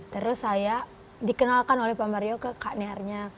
terus saya dikenalkan oleh pak mario ke kak niarnya